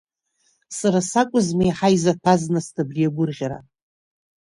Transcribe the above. Са сакәызма еиҳа изаҭәаз, нас, абри агәырӷьара?